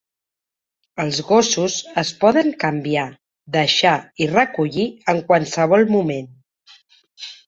Els gossos es poden canviar, deixar i recollir en qualsevol moment.